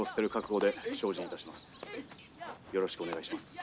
「よろしくお願いします」。